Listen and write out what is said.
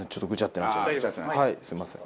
すみません。